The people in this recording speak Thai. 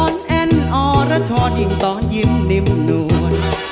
อ่อนแอนด์อ่อระชอดอิ่งตอนยิ่มนิ่มนวล